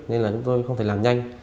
nên chúng tôi không thể làm nhanh